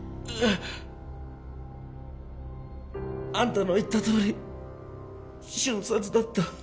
あんたの言ったとおり瞬殺だった。